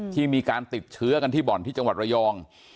ที่มีการติดเชื้อกันที่บ่อนที่จังหวัดระยอง